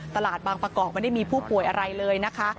ตลาดบางประกอบไม่ได้มีผู้ป่วยอะไรเลยนะคะ